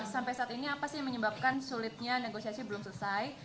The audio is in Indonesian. sampai saat ini apa sih yang menyebabkan sulitnya negosiasi belum selesai